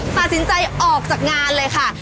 ตัดสินใจออกจากงานเลยค่ะ